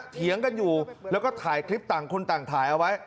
เถียงกันอยู่แล้วก็ถ่ายคลิปต่างคนต่างถ่ายเอาไว้